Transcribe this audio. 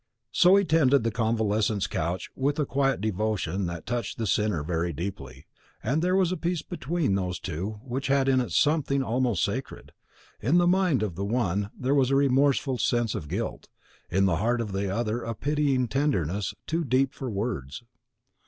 So he tended the convalescent's couch with a quiet devotion that touched the sinner very deeply, and there was a peace between those two which had in it something almost sacred. In the mind of the one there was a remorseful sense of guilt, in the heart of the other a pitying tenderness too deep for words.